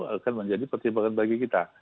akan menjadi pertimbangan bagi kita